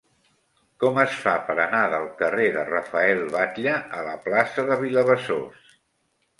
Com es fa per anar del carrer de Rafael Batlle a la plaça de Vilabesòs?